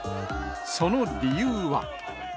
その理由は。